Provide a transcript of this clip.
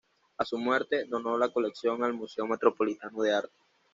A su muerte, donó la colección al Museo Metropolitano de Arte.